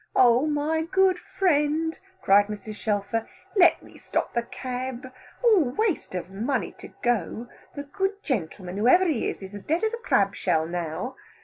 "Oh, my good friend," cried Mrs. Shelfer, "let me stop the cab. All waste of money to go. The good gentleman, whoever he is, is as dead as a crabshell now.